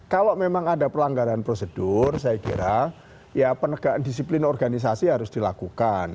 kalau memang ada pelanggaran prosedur saya kira ya penegakan disiplin organisasi harus dilakukan